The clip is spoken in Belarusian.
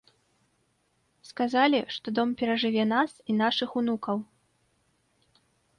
Сказалі, што дом перажыве нас і нашых унукаў.